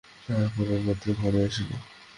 তাহার পররাত্রেও ঘরে আসিল।